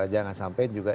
jangan sampai juga